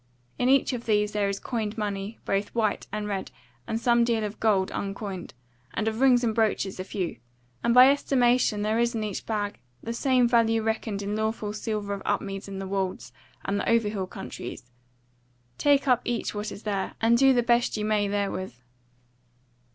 In each of these is there coined money, both white and red, and some deal of gold uncoined, and of rings and brooches a few, and by estimation there is in each bag the same value reckoned in lawful silver of Upmeads and the Wolds and the Overhill Countries. Take up each what there is, and do the best ye may therewith."